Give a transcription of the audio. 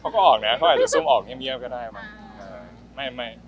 เขาก็ออกเนี้ยเขาอาจจะซูมออกเลียบก็ได้มั้งไม่